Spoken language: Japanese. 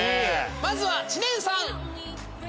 まずは知念さん。